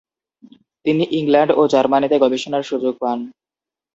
তিনি ইংল্যান্ড ও জার্মানীতে গবেষণার সুযোগ পান।